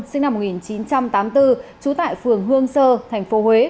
sinh năm một nghìn chín trăm tám mươi bốn trú tại phường hương sơ tp huế